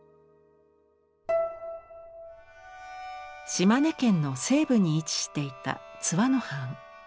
島根県の西部に位置していた津和野藩。